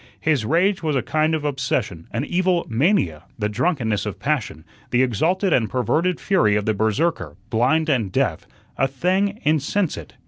His rage was a kind of obsession, an evil mania, the drunkenness of passion, the exalted and perverted fury of the Berserker, blind and deaf, a thing insensate.